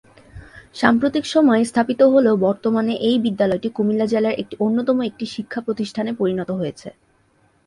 সাম্প্রতিক সময়ে স্থাপিত হলেও বর্তমানে এই বিদ্যালয়টি কুমিল্লা জেলার একটি অন্যতম একটি শিক্ষা প্রতিষ্ঠানে পরিণত হয়েছে।